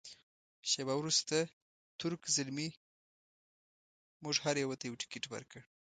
شیبه وروسته تُرک زلمي موږ هر یوه ته یو تکټ ورکړ.